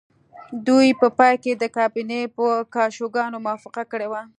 دوی په پای کې د کابینې په کشوګانو موافقه کړې وه